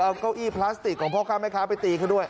เอาเก้าอี้พลาสติกของพ่อค้าแม่ค้าไปตีเขาด้วย